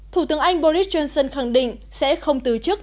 thủ tướng anh boris johnson khẳng định sẽ không từ chức